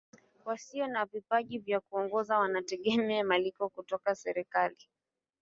wasio na vipaji vya kuongoza wanategemea malipo kutoka serikali